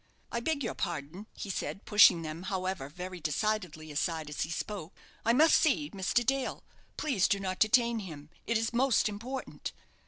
"I beg your pardon," he said, pushing them, however, very decidedly aside as he spoke, "I must see Mr. Dale; please do not detain him. It is most important."